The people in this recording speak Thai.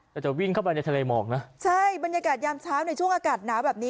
แต่จะวิ่งเข้าไปในทะเลหมอกนะใช่บรรยากาศยามเช้าในช่วงอากาศหนาวแบบนี้